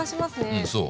うんそう。